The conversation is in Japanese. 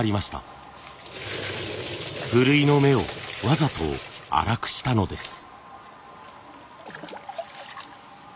ふるいの目をわざと粗くしたのです。